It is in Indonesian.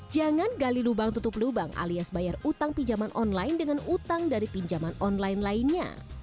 jangan gali lubang tutup lubang alias bayar utang pinjaman online dengan utang dari pinjaman online lainnya